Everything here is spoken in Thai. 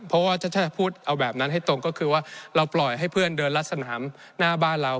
เพราะว่าถ้าพูดเอาแบบนั้นให้ตรงก็คือว่าเราปล่อยให้เพื่อนเดินรัดสนามหน้าบ้านเรา